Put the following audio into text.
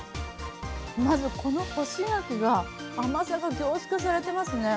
まずこの干し柿が甘さが凝縮されてますね。